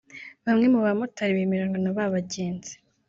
Bamwe mu bamotari bemeranywa n’aba bagenzi